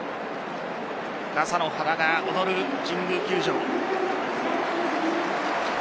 傘の花が踊る神宮球場。